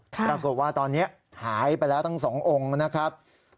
ปรากฏว่าตอนนี้หายไปแล้วทั้งสององค์นะครับ